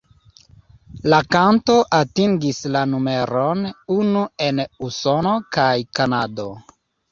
La kanto atingis la numeron unu en Usono kaj Kanado.